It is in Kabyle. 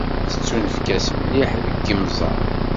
Tettunefk-as mliḥ deg yimẓad.